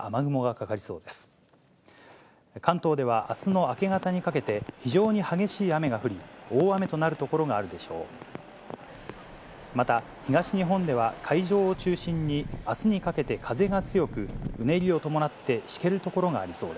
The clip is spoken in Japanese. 関東ではあすの明け方にかけて、非常に激しい雨が降り、大雨となる所があるでしょう。